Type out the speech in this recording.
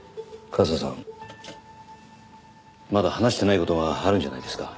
まだ話していない事があるんじゃないですか？